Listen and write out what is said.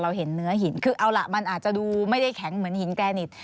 เห็นเนื้อหินคือเอาล่ะมันอาจจะดูไม่ได้แข็งเหมือนหินแกนิด